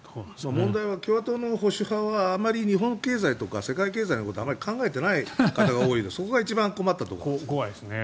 問題は共和党の保守派はあまり日本経済とか世界経済のことはあまり考えてない方が多いので怖いですね。